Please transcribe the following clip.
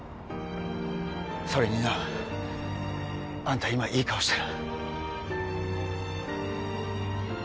それになあんた今いい顔してる